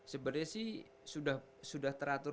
sebenarnya sih sudah teratur